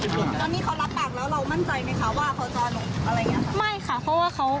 ตอนนี้เขารับตากแล้วเรามั่นใจไหมคะว่าเขาจะลงอะไรอย่างนี้